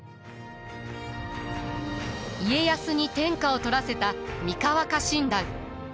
家康に天下を取らせた三河家臣団。